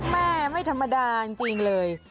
ไม่ธรรมดาจริงเลย